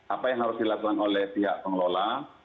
apa yang harus dilakukan oleh pihak pengelola